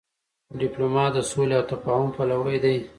ډيپلومات د سولي او تفاهم پلوی دی.